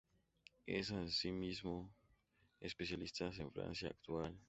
Es, asimismo, especialista en la Francia actual.